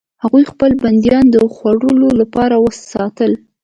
هغوی خپل بندیان د خوړلو لپاره ساتل.